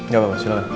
gak apa apa silahkan